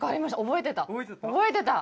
覚えてた。